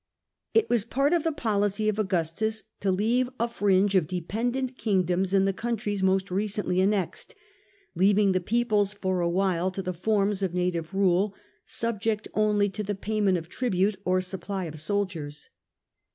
It was part of the policy of Augustus to leave a fringe of dependent Dependent kingdoms in the countries most recently kingdoms annexed, leaving the peoples for a while to the forms of native rule, subject only to the payment of tribute or supply of soldiers.